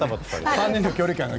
３人の距離感が。